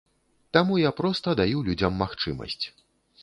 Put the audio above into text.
Таму я проста даю людзям магчымасць.